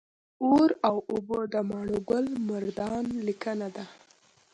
اور او اوبه د ماڼوګل مردان لیکنه ده